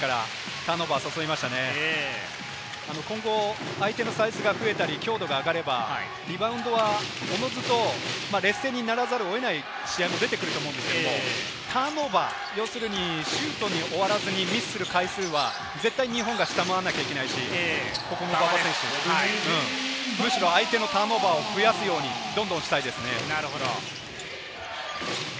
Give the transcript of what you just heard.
今後、相手のサイズが増えたり、強度が上がれば、リバウンドはおのずと劣勢にならざるを得ない試合も出てくると思うんですけれど、ターンオーバー、要するにシュートで終わらず、ミスする回数は絶対日本が下回らなきゃいけないし、むしろ相手のターンオーバーを増やすように、どんどんしたいですね。